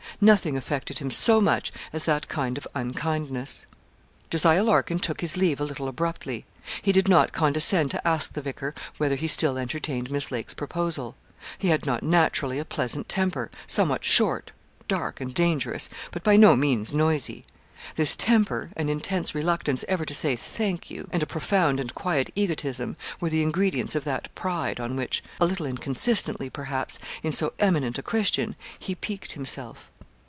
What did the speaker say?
Nothing affected him so much as that kind of unkindness. Jos. Larkin took his leave a little abruptly. He did not condescend to ask the vicar whether he still entertained Miss Lake's proposal. He had not naturally a pleasant temper somewhat short, dark, and dangerous, but by no means noisy. This temper, an intense reluctance ever to say 'thank you,' and a profound and quiet egotism, were the ingredients of that 'pride' on which a little inconsistently, perhaps, in so eminent a Christian he piqued himself.